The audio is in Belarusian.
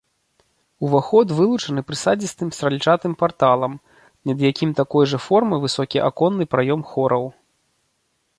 Уваход вылучаны прысадзістым стральчатым парталам, над якім такой жа формы высокі аконны праём хораў.